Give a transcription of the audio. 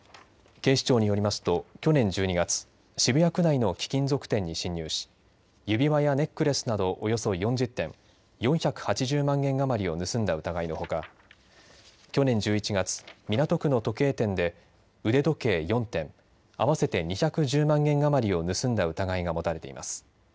警視庁によりますと去年１２月、渋谷区内の貴金属店に侵入し指輪やネックレスなどおよそ４０点、４８０万円余りを盗んだ疑いのほか去年１１月、港区の時計店で腕時計４点合わせて２１０万円余りを盗んだ疑いが持たれています。